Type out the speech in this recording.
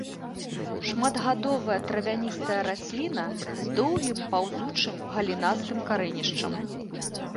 Шматгадовая травяністая расліна з доўгім паўзучым галінастым карэнішчам.